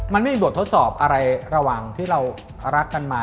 มันไม่มีบททดสอบอะไรระหว่างที่เรารักกันมา